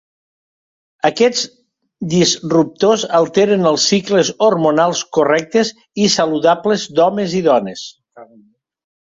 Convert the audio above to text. Aquests disruptors alteren els cicles hormonals correctes i saludables d'homes i dones.